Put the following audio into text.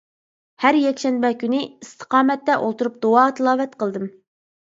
ھەر يەكشەنبە كۈنى ئىستىقامەتتە ئولتۇرۇپ، دۇئا-تىلاۋەت قىلدىم.